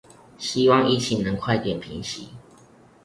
希望疫情能快點平息